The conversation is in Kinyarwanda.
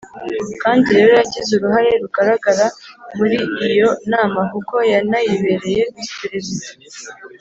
kandi rero yagize uruhare rugaragara muri iyo Nama kuko yanayibereye Visi-Perezida,